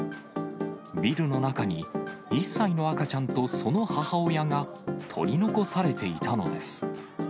ビルの中に１歳の赤ちゃんとその母親が、取り残されていたのです。